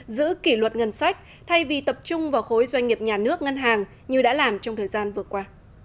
giữ kỷ luật ngân sách thay vì tập trung vào khối doanh nghiệp nhà nước ngân hàng như đã làm trong thời gian vừa qua